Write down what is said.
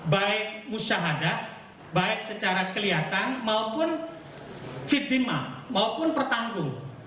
baik musyahadat baik secara kelihatan maupun fitimah maupun pertanggung